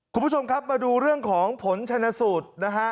คุณผู้ชมครับมาดูเรื่องของผลชนสูตรนะฮะ